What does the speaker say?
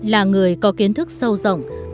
là người có kiến thức sâu rộng